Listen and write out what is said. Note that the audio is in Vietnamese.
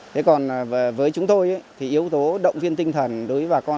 thế còn với chúng tôi thì yếu tố động viên tinh thần đối với bà con